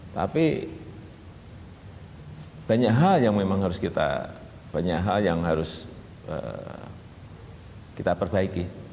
tapi banyak hal yang memang harus kita perbaiki